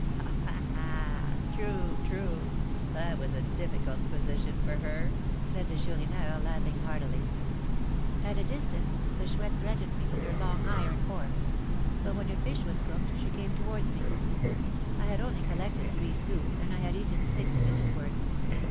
"Ha! ha! ha! True, true, that was a difficult position for her," said the Chourineur, laughing heartily. "At a distance, the Chouette threatened me with her long iron fork; but when her fish was cooked, she came towards me. I had only collected three sous, and I had eaten six sous' worth.